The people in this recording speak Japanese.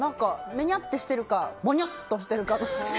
むにゃっとしてるかもにゃっとしてるか。